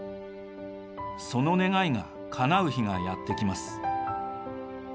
その願いがかなう日がやってきます。